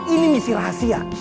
ini misi rahasia